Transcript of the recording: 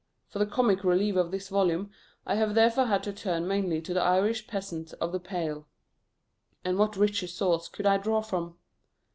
For the comic relief of this volume I have therefore had to turn mainly to the Irish peasant of the Pale; and what richer source could I draw from?